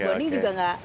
bonding juga gak